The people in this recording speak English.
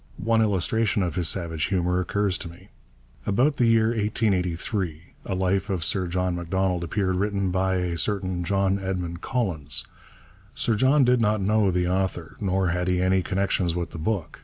One illustration of his savage humour occurs to me. About the year 1883 a life of Sir John Macdonald appeared written by a certain John Edmund Collins. Sir John did not know the author, nor had he any connection with the book.